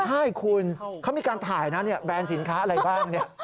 ใช่คุณเขามีการถ่ายนะแบรนด์สินค้าอะไรบ้างเนี่ย